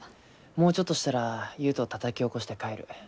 もうちょっとしたら悠人たたき起こして帰る。